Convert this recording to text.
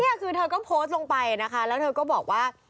เออนี่คือเธอก็โพสต์ลงไปนะคะแล้วเธอก็บอกว่า